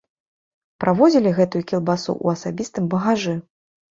Правозілі гэтую кілбасу ў асабістым багажы.